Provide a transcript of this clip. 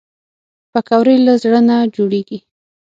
پکورې له زړه نه جوړېږي